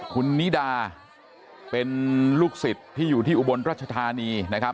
คุณนิดาเป็นลูกศิษย์ที่อยู่ที่อุบลรัชธานีนะครับ